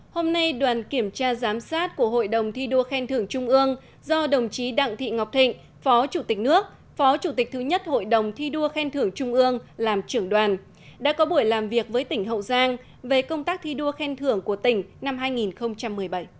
hôm nay đoàn kiểm tra giám sát của hội đồng thi đua khen thưởng trung ương do đồng chí đặng thị ngọc thịnh phó chủ tịch nước phó chủ tịch thứ nhất hội đồng thi đua khen thưởng trung ương làm trưởng đoàn đã có buổi làm việc với tỉnh hậu giang về công tác thi đua khen thưởng của tỉnh năm hai nghìn một mươi bảy